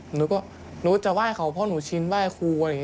หนูก็หนูจะไหว้เขาเพราะหนูชินไหว้ครูอะไรอย่างนี้